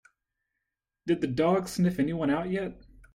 Did the dog sniff anyone out yet?